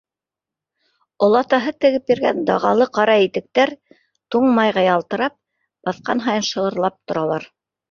Олатаһы тегеп биргән дағалы ҡара итектәр, туң майға ялтырап, баҫҡан һайын шығырлап торалар.